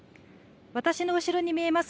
私の後ろに見えます